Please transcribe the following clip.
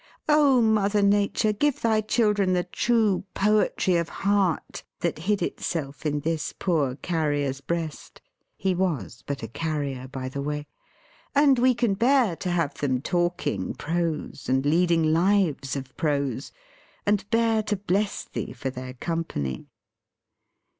Oh Mother Nature, give thy children the true Poetry of Heart that hid itself in this poor Carrier's breast he was but a Carrier by the way and we can bear to have them talking Prose, and leading lives of Prose; and bear to bless Thee for their company!